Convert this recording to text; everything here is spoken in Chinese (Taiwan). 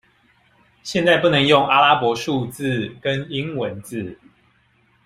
現在不能用阿拉伯數字跟英文字